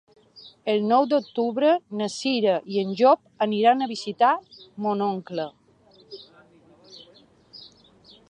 El nou d'octubre na Cira i en Llop aniran a visitar mon oncle.